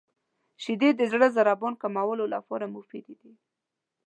• شیدې د زړه د ضربان کمولو لپاره مفیدې دي.